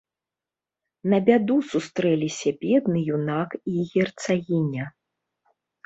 На бяду сустрэліся бедны юнак і герцагіня.